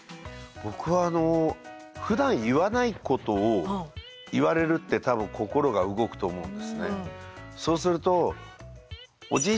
僕はふだん言わないことを言われるって多分心が動くと思うんですね。